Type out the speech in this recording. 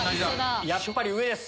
やっぱり上です。